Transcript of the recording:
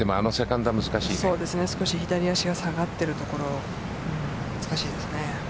少し左足が下がっているところ難しいですね。